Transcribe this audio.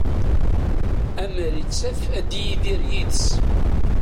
Amer ittaf ad yidir yid-s.